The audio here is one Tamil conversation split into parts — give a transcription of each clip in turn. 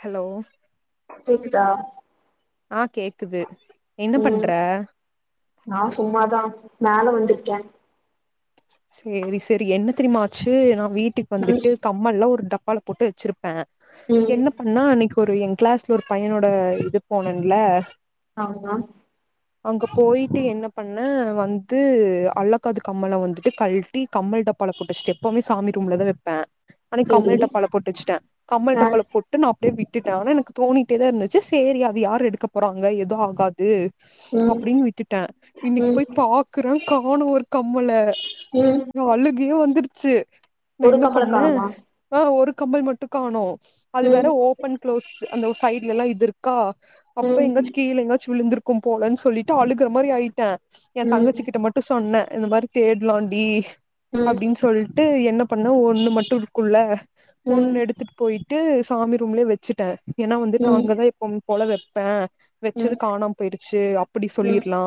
ஹலோ கேக்குதா ஆ கேக்குது என்ன பண்ற ம் நா சும்மாதா மேல வந்துக்கே செரி செரி என்ன தெரிமா ஆச்சு நா வீட்டுக்கு ம் வந்துட்டு கம்மல்லஒரு டப் பால போட்டு வச்சுரு ந்தே ம் என்ன பண்ணோ அன்னிக்கு ஒரு என் கிளாஸ்ல ஒரு பையனோட இது போனேன்ல ஆமா அங்க போயிட்டு என்ன பண்ணே வந்து அல்லாக்காது கம்மல வந் து கழட்டி கம்மல் டப்பால போட்டு வச்சிட்டே எப்போமே சாமி ரூம்ல தா வப்பே அன்னைக்கு செரி கம்மல் டப்பால போட்டு வச்சிட்டே கம்மல் அ டப்பால போட்டு நா‌ ப்படியே விட்டுட்டே ஆனா எனக்கு தோணிட்டே தா இருந்துச்சு செரி அது யாரு எடுக்கப் போறாங்க ஏது ஆகாது ம் அப்டின்னு விட்டுட்டே இன்னிக்கு ம் போய் பாக்குறே காணோ ஒரு கம்மல ம் அழுகே வந்தரு ச்சு நா ஒரு என்ன கம்மல பண்ணே காணமா ஆஹ் ஒரு கம்மல் மட்டு காணோ அது வேற ம் ஓப்பன் க்ளோஸ் அந்த சைட்ல லா இதுருக்கா அப்ப ம் எங்காச்சு கீழ எங்காச்சு விழுந்துரு க்கு போலன்னு சொல்ட்டு அழுகுற மாரி ஆயிட்டே ஏ ம் தங்கச்சிக்கிட்ட மட்டு சொன்னே இந்த மாரி தே ட்லாண்டி ம் அப்டின்னு சொல்ட்டு என்ன பண்ணோ ஒண்ணு மட்டு இருக்கும்ல ம் ஒண்ணு எடுத்துட்டுப் போயி ட்டு சாமி ரூம்ல வச்சுட்டே ஏன்னா வந்துட்டு நா ம் அங்க தா எப்பவு போல வப் பே வச்சது ம் காணாம போயிருச்சு அப்டி ம் சொல்லிடலா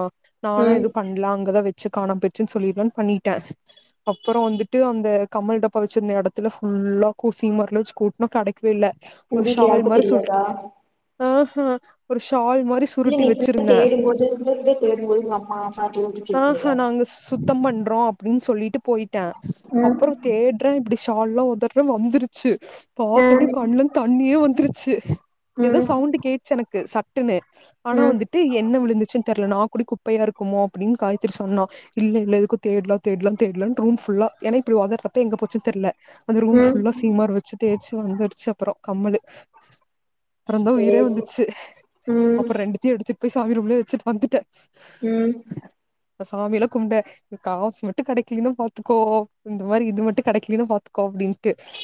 நானா ம் எதுவு பண்ணல அங்கதா வ ச்சு காணாம போயிருச்சுனு சொல்லிலானு பண்ணிட்டே அப்றோ வந்துட்டு அந்த கம்மல் டப்பா வச்சிருந்த எடத்துல ஃபுல்லா கூசி மொறல் வச்சு கூட்டனா கெடைக்கவே இல்ல உங் வீட்ல யாருக்கு தெரியாதா ஆ ஹா ஒர் ஷ் இல்ல நீ இப்டி தேடும் போது இல்ல உள்ள தேடும்போது உங்க அம்மா பாட்டி கேக்கலய தம்மன் றோ அப்டின் சொல்லிட்டு போய்ட்டே ம் அப்புறோ தேட்ற டிஷ் தால்லா ஒதர்ற வந்துருச்சி பாத்தோன்ன அ கண்லந் தண்ணியே வந் த்ருச்சு ஏதோ சவுண்டு ம் கேட்ச்சு எனக்கு சட்டுன்னு ஆனா ம் வந்துட்டு என்ன விழுந்துச்சுன்னு தெர்ல நா குடி குப்பயா ருக்குமோ அப்டின் காயித்திரி சொன்னா இல்ல இல்ல இது குப் தேட்லா தேட்லா தேட்லா ரூம் ஃபுல்லா ஏனா இப்டி ஒதர் தே எங்க போச்சி தெர்ல அந்த ரூம் ம் ஃபுல்லா சீமர் வச்சி தேட் ச்சு வந்துர்ச்சு அப்றோ கம்மலு அப்பறந்தா உயிரே சேரி சேரி வந்துச்சி ம் அப்ற ரெண்டுத்தியு‌ எடுத்து சாமிரூம்லயே வச்சிட் வந்துட்ட உம் ப்ப சாமிலா கும்ப்ட காஸ் மட்டு கடைக்லன்னா பாத்துக்கோ இந்த மாறி இது மட்டு கேடைக்லனா பாத்துக்கோ அப்டின்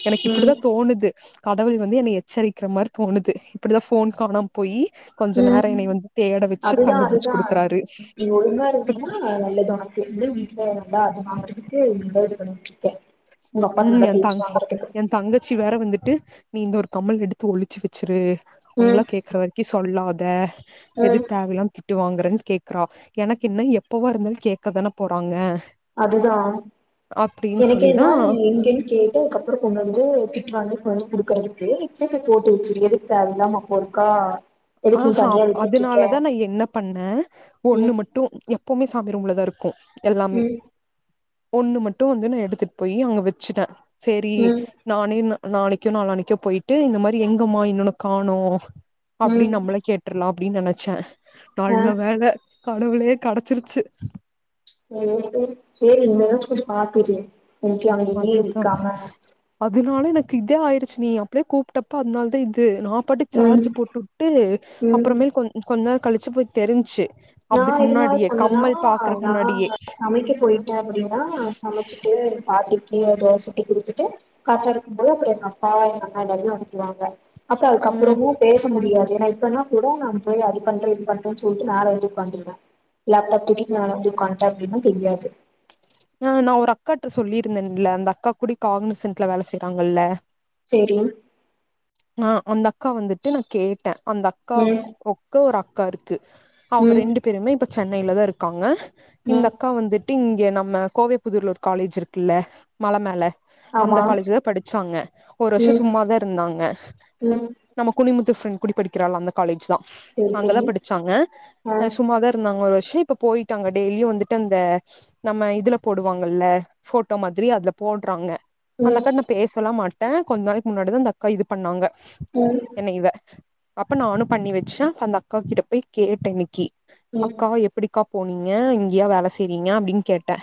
எனக்கு ம் இப்டிதா தோணுது கதவுள் வந்து என்ன எச்சரிக்கக்ஷற மாறி தோணுது இப்டி தா ஃபோன் காணாம் போயி கொஞ்ச உம் நேரோ என்னை வந்து தேட வச்சு அதுதா கண்டுபிடிச்சு அதுதா குடுக்குறாரு நீ ஒழுங்கா இருந்தின்னா ந நல்லது ஒனக்கு [unintelligible] அது வாங்றதுக்கு [unintelligible] உம் என் தங் என் தங்கச்சி வேற வந்துட் ட்டு நீ இந்த ஒரு கம்மல் எடுத்து ஒளிச்சி வெச்சிரு ம் அவுங்ளா கேக்ற வரிக்கி சொல்லாத் தா ம் எதுக் தேவையில்லாம திட்டு வாங்கறன் கேக்றா எனக் இன்ன எப்பவாருந்தால் கேக்கதான போறாங்க அதுதா அப்டின்னு எனக்கே சொல்லிதா இதா நீ எங்கன் கேட்டு க அப்றோ கொண்டாந்துட்டு திட்டு வாங்கிட் வந்து குடுகற்துக்கு போட்டு வச்சுரு எதுக்கு தேவலாம அப்போ ருக்கா ஆஹ் ஹா அதனாலதா நா என்ன பண்ணேன் ஒண்ணு ம் மட்டும் பொம்மி சாமி ரூம்ள்ளத இருக்கு இருக்கும் எல்லாமே ம் ஒண்ணு மட்டும் வந்து நா எடுத்துட்டு போய் அவங்க வச்சுட்டேன் சேரி ம் நானே நாளைக்கோ நாலாளைக்கோ போயிட்டு இந்த மாதிரி எங்கம்மா இன்னொன்னு காணும்ம் அப்படி ம் நம்மள கேட்டுலாம் அப்படின்னு நினைச்சேன் ஆ நல்ல வேல கடவுளயே கிடைச்சிருச்சு சேரி சேரி சேரி இந்த ஏதாச்சும் கொஞ்சம் பாத்து இரு எனக்கு அவங்கயும் இருக்காம இதனால எனக்கு இதே ஆயிடுச்சு நீ அப்படியே கூப்பிட்டப்ப அதனால தா இது நா பாட்டு ம் சார்ஜ் போட்டு விட்டு ம் அப்புறமே கொ கொஞ்ச கழிச்சு போய் தெரிஞ்சு நான் எதனால சொன்னேன்னா நா முன்னாடியே சமைக்க போயிட்டேன் அப்படின்னா சமைச்சிட்டு பார்த்துட்டேன் ப்படிய ஏ தோச சுட்டு குடுத்துட்டு காத்தா இருக்கும்போது அப்படி எங்க அப்பாவ எங்க அண்ணா எல்லாரரும் வந்துடுவாங்க அப்ப ம் அதுக்குப்புறமும் பேச முடியாது ஏன்னா இப்பன்னா கூட நா போய் அது பண்ற இது பண்றேன்ன சொல்லிட்டு மேல ஏரி வந்துருன் லேப்டாப் தூக்கி நா வந்து உட்காந்து டா நா தெரியாது ஆஹ் நான் ஒரு அக்காட்ட சொல்லியிருந்தேன்ல அந்த அக்கா கூட காகனசன்ட்ல வேலை செய்யறாங்கல்ல சேரி ஆ அந்த அக்கா வந்துட்டு நான் கேன் அந்த அக்கா ம் உக்க ஒரு அக்கா கரு அவங்க ம் ரெண்டு பேருமே இப்ப சென் னையில தா இருக்காங்க இந்த ம் அக்கா வந்துட்டு இங்க இங்க நம்ம கோவை புதுர்லூர் காலேஜ் இருக்குல்ல மல மேல அந்த ஆமா காலேஜ்ல படிச்சாங்க ஒரு வருஷம் ம் சும்மாதா இருந்தாங்க ம் நம்ம குனித்து ஃப்ரெண்ட் குடிக் படிக்கிறள அந்த காலஜ் தான் சேரி சேரி அங்கதா படிச்சாங்க ஆ சும்மாதா இருந்தாங்க ஒரு வருஷம் இப்ப போயிட்டாங்க டெய்லியும் வந்துட்டு அந்த நம்ம இதுல போடுவாங்கல்ல போட்டோ மாதிரி அதுல போடுறாங்க அந்த ம் அக்கா நா பேசலாம் மாட்டேன் ஆ கொஞ்ச நாளைக்கு முன்னாடி தா அந்த அக்கா இது பண்ணாங்க ம் என்ன இவ அப்ப நானு பண்ணி வச்சே அப்ப அந்த அக்கா கிட்ட போய் கேட்டே இன்னக்கி ம் அக்கா எப்டிக்கா போனீங்க இங்கயா வேல செய்றீங்க அப்டின்னு கேட்டே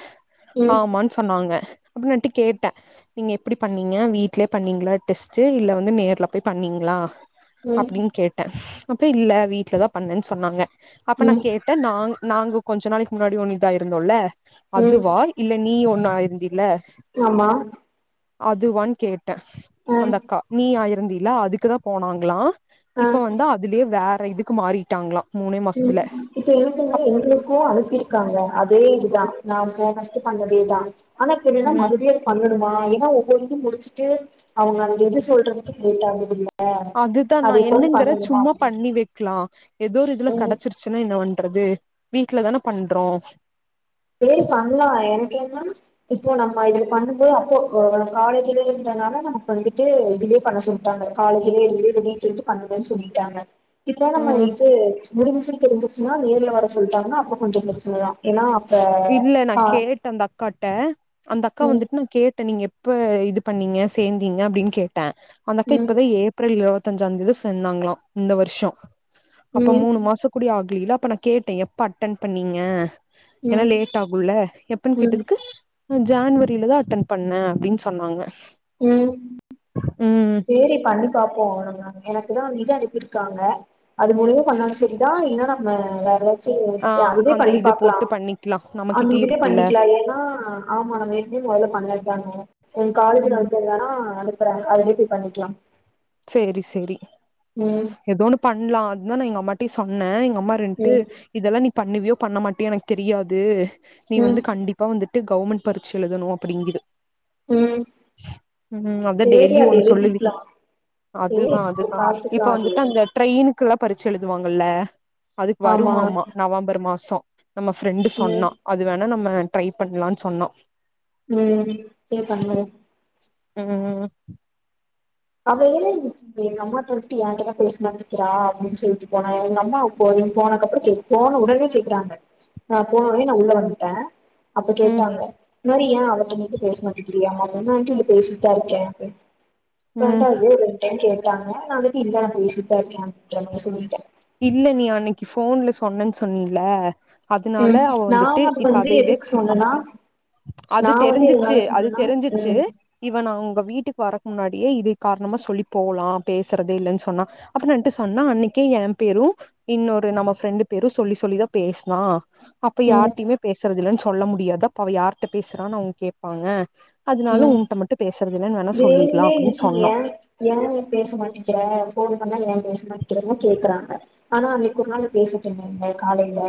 ம் ஆமான்னு சொன்னாங்க அப்டின்னுட்டு கேட்டே நீங்க எப்டி பண்ணீங்க வீட்லயே பண்ணீங்களா டெஸ்ட் இல்ல வந்து நேர்ல போய் பண்ணீங்களா ம் அப்டின்னு கேட்டே அப்ப இல்ல வீட்லதா பண்ணேன்னு சொன்னாங்க அப்ப நா ம் கேட்டே நாங் நாங்க கொஞ்ச நாளைக்கு முன்னாடி ஒன்னுதா இருந்தோல்ல அது இது ம் வா இல்ல நீ ஒ ஒன்னா இருந்தீல ஆமா அதுவான்னு கேட் ஆ அந்த அக்கா நீ ஆயிர் இருந்தீல்ல அதுக்குதா போனாங்ளா ஆ இப்ப வந்து அதுலயே வேற வேற இதுக்கு மாறிட்டாங்ளா ம் இப்ப எனக்குன்னா எங்களுக்கு அதுக் இருக்காங்க அதே இது யா நா போ ஃபர்ஸ்ட் பண்ணது இதான் ஆனா பின்ன என்ன ம் மறுபடியு அது பண்ணனு ஆனா ஏன்னா ஒவ்வொரு இது முடிச்சிட்டு அவங்க அந்த இது சொல்றதுக்கு கேட்டா முடியு அதுதா நா என்னங்கற சும்மா அப்டின்ட்டு பண்ணி வைக்லா ஏதோ ஒரு இதுல ம் கெடச்சிருச்சின்னா என்ன பண்றது வீட்ல தான பண்றோ சேரி பண்ணலா எனக்கு என்ன இப் இப்போ நம்ம இதுல பண்ணும்போ அப்போ காலேஜ்லயே இருந்ததுனால நமக்கு வந்துட்டு இதுலயே பண்ண சொல்லிட்டாங்க காலேஜ்லயே இதுலயே வீட்ல இருந்து பண்ணுங்கன்னு சொல்லீட்டாங்க இப்ப நம்ம ம் இது முடிஞ்சின்னு தெரிஞ்சிருச்சின்னா நேர்ல வர சொல்ட்டாங்கன்னா அப்போ கொஞ்சோ பிரச்சன தா ஏன்னா அப்ப இல்ல நா கா கேட்டே அந்த அக்காட்ட அந்த அக்கா ம் வந்துட் நா கேட்ட நீங்க எப் ப்ப இது பண்ணீங்க சேந்தீங்க அப்டின் கே ட்ட அந்த அக்கா ம் இப்பவே ஏப்ரல் இருவத் தஞ்சாஞ்தேதி சேந்தாங்களா இந்த வர்ஷோ அப்போ ம் மூனு மாசோ கூடி ஆக்லில்ல ப்ப நா கேட்டே எப்ப அட்டன் பண்ணீங்க ஏனா ம் லேட் ஆகு இல்ல எப்பன் ம் கேட்டதுக்கு அ ஜேன்வரிலதா அட்டென் பண்ண அப்டின் சொன்னாங்க ம் ம் சேரி பண்ணி பாப்போ நம்ம எனக்கு தா அந் இது அனுப்பிர்க்காங்க அது மூலியமா பண்ணாலு செரி தா இல்லனா ம எல்லாருமே சேர் ஆ ஏ அதுவே அந்த பண்ணி இது பாக்லா போட்டு பண்ணிக்கலா அந்த நம்மகிட்டயே இதுலியே இருக்குல்ல பண்ணிக்லா ஏன்னா ஆமா நா வேண்ணே மொதல்ல பண்ணல் டாங்க எ காலேஜ்ல ம் ஒருத்தர் வேணா அனுப்பற அத விட்டு பண்ணிக்கலாம் சேரி சேரி எதோன்னு பண்லா அதுதா நா எங் அப் மட்டி சொன்னே எங்க அம்மா இருந்ட்டு ம் இதெல்லா நீ பண்ணுவியோ பண்ண மாட்டியா எனக்கு தெரியாது நீ ம் வந்து கண்டிப்பா வந்து ட்டு கவர்ன்மெண்ட் பரிச்சை எழுதணும் அப்புடிங்கிது ம் அதா சேரி டெய்லியு அத ஒண்ணு சொல்லுவீங்க எழுதிக்லா அதுதா அதுதா இப்ப வந்துட்டு அந்த ட்ரெயின் முக்கெல்லா பரீட்சை எழுதுவாங்கல்ல அதுக்கு ஆமா வருமாமா நவம்பர் மாசோ நம்ம ஃப்ரெண்ட்டு ம் சொன்னா அது வேண் நம்ம ட்ரை பண்ணலானு சொன்னோ ம் சேரி பண்ணுது ம் அவ ஏ இச்சிந்தி அம்மாட்ட விட்டு எ கிட்ட பேசனுனு நிக்கிறா அப்டின்னு சொல்லிட்டு போனா எங்க அம்மா போனகப்புறோ கே போன உடனே கேக்குறாங்க நா போன உடனே நா உள்ள வந்துட்ட அப்ப ம் கேட்டாங்க இது மாரி ஏ அவகிட்ட மட்டு பேச மாட்டகிரியாமா உன்ன வந்ட்டு இங்க பேசிட்டா இருக்கே ம் [unintelligible] டைம் கே டாங்க நா வந்துட்டு இல்ல நா பேசிட்டு [unintelligible] சொல்லிட்ட இல்ல நீ அன்னிக்கி ஃபோன்ல சொன்னன் சொன்னில ம் நா அது வந்து எதுக்கு சொன்னனா அது தெரிஞ்சிச்சு அது தெரிஞ்சிச்சு ம் இவ நாவு உங்க வீட்டுக்கு வரக்கு முன்னாடியே இது காரணமா சொல்லி போலா பேசுறதே இல்லன் சொன்னா அப்றோ நா இருன்டு சொன்னா அன்னிக்கே எ பேரு இன்னொரு நம்ம ஃப்ரெண்டு பேரு சொல்லி சொல்லிதா பேஸ்னா அப்ப ம் யார்டிமே பேசறதில்லன் சொ சொல்ல முடியாதா ப்ப அவ யார்ட்ட பேசுறானு அவுங்க கேப்பாங்க அதனால ம் உன்ட்ட மட்டு பேசுறது இல்லன்னு வேணா சொல்லிர்லா வேணுனே அப்டின்னு சொன்னோ நிக்கிரியா யா எ பேச மாட்டிக்குற ஃபோன் பண்ணா ஏ பேசமாட்டிகிறன்லா கேக்குறாங்க ஆனா அன்னைக்கு ஒரு நாள் பேசிட்டு இருந்தாங்க காலை இல்ல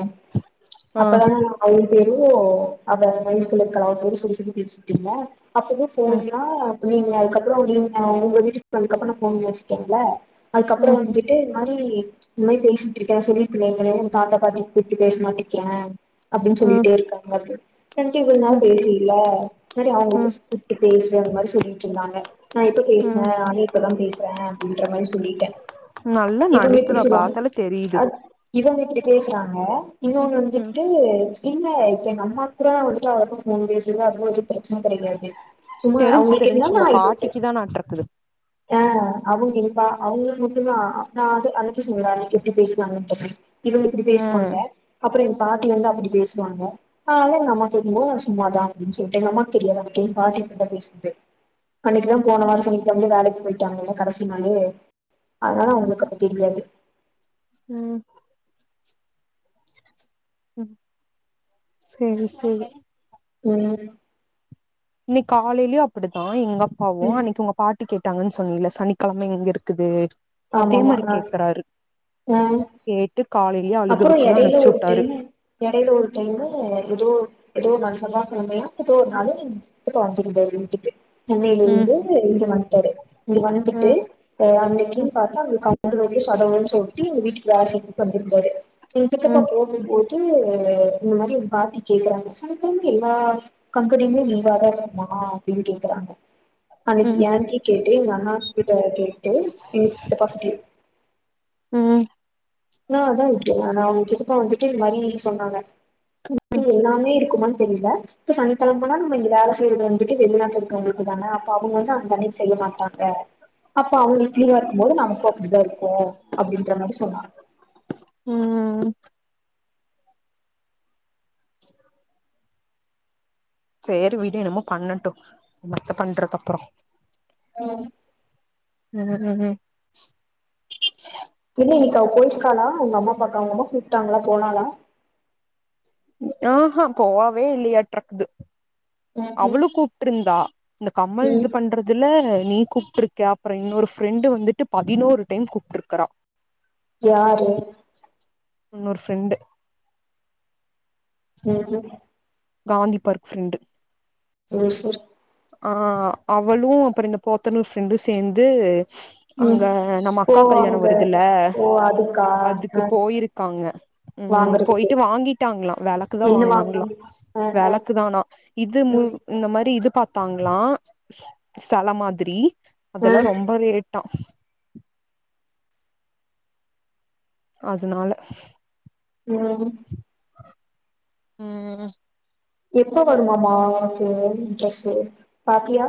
ஆ அப்பதான நம்ம பய்ந் வெறு அத வய்த்துல இருக்கலா கொடிச் கொடிச் சொல்லி பேசிட்டீங்களா அப்பதா ம் சொன்னா நீங்க அதுக்கப்புறோ நீங்க உங்க வீட்டுக்கு வந்தது அப்புறோ நா ஃபோன் வெச்சுட்டன்ல அதுக்கப்றோ ம் வந்துட்டு இந்த மாரி இந்த மாரி பேசிட்டுருக்கே சொல்லிருக்கிங்களா தாத்தா பாட்டி கூப்ட்டு பேசமாட்டிக்கிற அப்டின்னு ம் சொல்லிட்டே இருக்காங்க அப்டின்னு வன்ட்டு இவ்ளோ நாளா ம் பேசிலியா இரு ம் அவுங்களுக்கு இப்டி பேசுவ அந்த மாரி சொல்லிட்டு இருந்தாங்க நா எப்ப பேசுவே ம் நானே இப்பதா பேசுவே அப்டின்ற மாதிரி சொல்லிட்டே நல்ல இவங்க இப்டி நடிப்புதா சொல்லுவாங்க பாத்தாலே தெரியுது அ இவங்க ப்டி பேஸ்றாங்க இன்னொன்னு ம் வந்துட்டு பீ இல்ல இப்போ எங்க அம்மா கூட அவ்ள்ட்ட அவ்ளோக்கு ஃபோன் பேஸ்ல அப்ரோ எப்டி [unintelligible] தெரிஞ்சு தெரிஞ்சு உங்க பாட்டிக்குதானாட்றுக்குது அவுங்ளுக்கு மட்டுதா நா வந்து அன்னைக்கே சொன்னலே அன்னைக்கு எப்டி பேஸ்நாங்கன்ட்டு இவுங்க இப்டி பேசுவாங்க ம் அப்ரோ இவு பாட்டி வந்து அப்டி பேசுவாங்க ஆன அம்மா கேக்குபோது நா சும்மாதா அப்டின்னு சொல்லிட்டு எங்க அம்மாக்கு தெரியது அந்த டைம் பாட்டி பேசுனது அன்னைக்குதா போன வார சனிக்கிழமையிருந்து வேலைக் போயிட்டாங்ளே கடைசி நாளு அதனால அவங்களுக்கு அப்ப தெரியாது ம் ம் சேரி சேரி ம் இன்னை காலையிலயும் அப்படித்தான் எங்க ம் பாவம் அன்னைக்கு உங்க பாட்டி கே விட்டாங்கன்னு சொன்னல சனிக்கிழமை எங்க இருக்குது அதே ஆமாமா மாதிரி ஆ கேக்குறாரு கேட்டு காலையிலயே அழுக அப்புறம் வச்சுதா இடையில அனுப்பிச்சு ஒரு வுட்டாரு டைம் இடையில ஒரு டைம் ஏதோ ஏதோ செவ்வாக்கழமைய ஏதோ ஒரு நாளு வந்திருந்தாரு வீட்டுக்கு அன்னையில ம் இருந்து இங்க வந்துட்டாரு இங்க வந்துந்துட்டு ம் அஹ் ம் அன்னைக்குன்னு பாத்தா அவங்க கந்து சடவு சோட்டி வீட்டு்க்கு வர சொல்லி என்கிட்டப்பா ம் போது போது க்கு இந்த மாதிரி பாட்டி கேக்குறாங்க சனிக்கிழமா எல்லா கம்பெனியுமே லீவா தான் இருக்குமா அப்படின்னு கேக்குறாங்க அன்னைக்கு ம் யாருக்கே கேட்டு அண்ணா கிட்ட கேட்டு எங்க சித்தப்பாகிட்ட ம் நான் அதான் விட்டுட்டே நானா அவங்க சித்தப்பா வந்துட்டு இது மாதிரி சொன்னாங்க ம் [unintelligible] எல்லாமே இருக்குமா தெரில இப்ப சனிக்கெழமனா நம்ம இந்த வேல செய்ரது வந்துட்டு வெளிநாட்ல இருக்கவங்களுக்கு தானே அப்ப அவுங்க வந்து அங்க அன்னிக்கு செய்ய மாட்டாங்க அப்ப அவங்களுக்கு லீவா இருக்கும்போது நமக்கு அப்படித்தா இருக்கு அப்படின்ற மாரி சொன்னாங்க உம் சரி விடு என்னமோ பண்ணட்டு மத்த பண்றது அப்புறம் ம் உம் உம் [unintelligible] க போயிருக்காளா அவங்க அம்மா பாக்க அவங்க அம்மா கூப்ட்டாங்கள போனாளா ஆஹா போவே இல்லையாட்ருக்குது ம்ஹ்ம். அவளு கூப்ட்ருந்தா இந்த கம்மல் இது ம் பண்றதுல நீ கூப்பிட்டுருக்க அப்புறோ இன்னொரு ஃப்ரெண்டு வந்துட்டு பதினோரு டைம் கூப்பிட்ருக்கறா யாரு இன்னுரு ஃப்ரெண்டு ம் ம் காந்தி பார்க் ஃப்ரெண்டு ச சேரி ஆஹ் அவளு அப்புறோ இந்த போத்தனூர் ஃப்ரெண்டு சேந்து ம் அங்க நம்ம ஓ அக்கா கல்யாணம் அங்க வருதுல ஓ அதுக்கா அதுக்கு அ போயிருக்காங்க உம் வாங்கறதுக்கு போயிட்டு வாங்கிட்டாங்களா வெளக்குதா என்ன வாங்குனாங்களா வாங்குனாங்க அ அ வெளக்குதானா இது மு ம் இந்த மாரி இது த்தாங்களா செல மாதிரி ஆ அதெல்லா ரொம்ப ரே ட்டா அதனால உம் உம் எப்போ வருமாம்மா ஒனக்கு ட்ரெஸ்ஸு பாத்தியா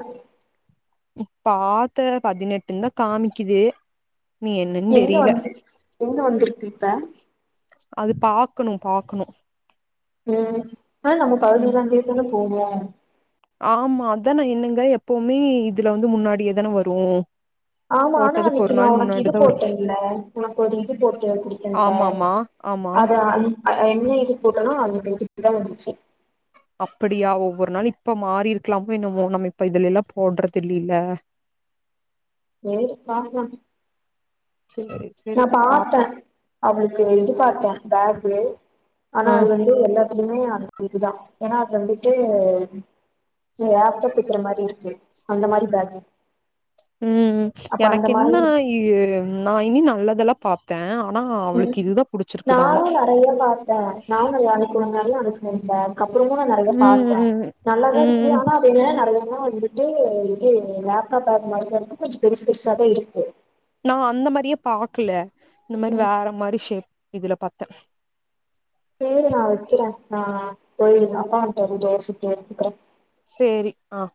பாத்தே பதினெட்டுந்தா காமிக்கிது எங்க வந்து எங்க வந்துருக்கு இப்ப அது பாக்குணு பாக்குணு உம் அனால நம்ம பகுதிலா [unintelligible] போவோ ஆமா அதா நா என்னங்க எப்போமே இதுல வந்து முன்னாடியே தானே வரு ஆமா அனா போட்டதுக்கு அன்னிக்கு ஒரு நா நாள் உனக்கு இது முன்னாடிதா வரு போட்டேல்ல உனக்கு ஒரு இது போட்டு குடுத்தெல்ல ஆமாமா ஆமா அத அன் ஆஹ் என்ன இது போட்டனா [unintelligible] தா வந்துருச்சி அப்பிடியா ஒவ்வொரு நாள் இப்போ மாறியிருக்கலாமோ என்னமோ நம்ம இப்ப இதுலில்லா போட்றதில்லில தேடிப் பாக்லா சேரி நா சேரி பாத்த பாப்போ அவுலுகு இது பாத்தே பேகு ஆனா ஆ அது வந்து எல்லாத்து குமே அது இதுதா ஏனா அதுல வந்துட்டு நீ லேப்டப் குத்துற மாரி இருக்கு அந்த மாரி இப்ப உம் எனக்கென்னா நா இன்னு நல்லதெலா பாத்தே ஆனா உம் அவளுக்கு இதுதா புடிச்சிருக்குதாமா நானு நெறையிற பாத்தே நானு வேலைக் போணு ஏ ஒரு மூன் பேக் அப்றோதா நா நெறையெ ம் பாத்தே ம் நல்லாதாருக்கு ம் ஆனா இப்ப என்னன்னா நெறையா போ வந்துட்டூ இது லேப்டாப் பாக்ம்போது கொஞ்ஜ கொஞ்ஜோ பெருசு பெருசாதா இருக்கு நா அந்த மாரியே பாக்கல இந்த மாரி ம் வேற மாரி ஷேப் இதுல பாத் சேரி நா வெக்கறே ஆஹ் போய் அப்பா வன்டாரு தோச ஊத்துறே ஊத்றே சேரி ஆஹ்